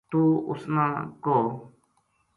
توہ اُس نا کہو